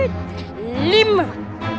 tengok ke kanan